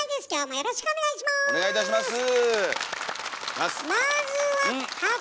よろしくお願いします。